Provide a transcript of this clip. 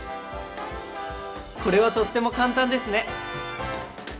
これはとっても簡単ですね！